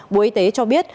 bộ y tế cho biết